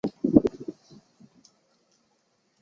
在场上的位置是边锋或前锋。